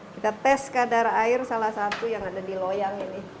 kita tes kadar air salah satu yang ada di loyang ini